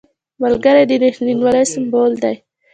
ملګری د رښتینولۍ سمبول دی